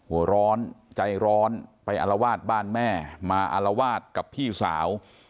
หัวร้อนใจร้อนไปอารวาสบ้านแม่มาอารวาสกับพี่สาว